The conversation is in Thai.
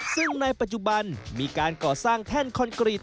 ซึ่งในปัจจุบันมีการก่อสร้างแท่นคอนกรีต